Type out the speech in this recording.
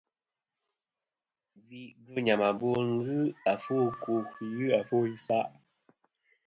Gvɨ̂ nyàmàbo nɨn ghɨ àfo ɨkwo fî ghɨ nô àfo isaʼ.